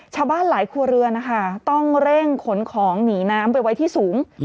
ชาวบ้านหลายครัวเรือนนะคะต้องเร่งขนของหนีน้ำไปไว้ที่สูง